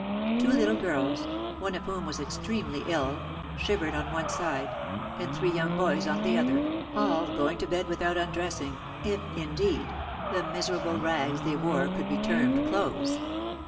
Two little girls, one of whom was extremely ill, shivered on one side, and three young boys on the other, all going to bed without undressing, if, indeed, the miserable rags they wore could be termed clothes.